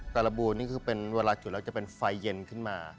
แต่ละบูนี่คือเป็นเวลาจุดแล้วจะเป็นไฟเย็นขึ้นมา